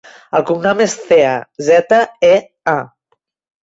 El cognom és Zea: zeta, e, a.